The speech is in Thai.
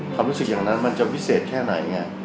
ความรู้สึกอย่างนั้นมันจะพิเศษแค่ไหนไง